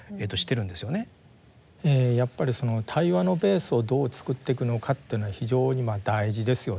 やっぱりその対話のベースをどう作っていくのかっていうのは非常に大事ですよね。